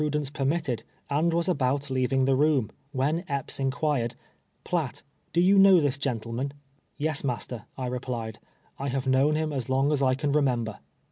305 dence perraitted, and was about leavijii^ tlie room, "wlicn Epps inquired, " Piatt, do you Icnow tliis gentleman ?"" Yes, master," I replied, " I liave kno^vn liim as long as I can remember."